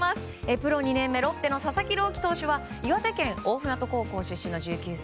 プロ２年目ロッテの佐々木朗希投手は岩手県大船渡高校の１９歳。